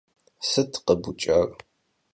Sıt khebuç'ar?